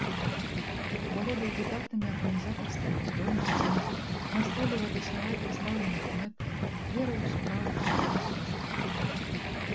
Валодаў выдатнымі арганізатарскімі здольнасцямі, настойліва дасягаў пастаўленых мэт, верыў у справу, якой служыў.